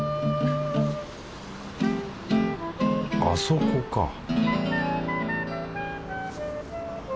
あそこか